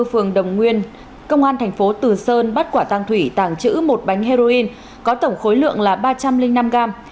phường đồng nguyên công an thành phố từ sơn bắt quả tăng thủy tàng trữ một bánh heroin có tổng khối lượng là ba trăm linh năm gram